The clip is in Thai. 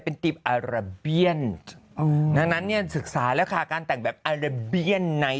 เป็นติ๊บอาราเบียนดังนั้นเนี่ยศึกษาแล้วค่ะการแต่งแบบอาราเบียนใน